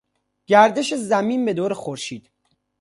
گردش زمین بدور خورشید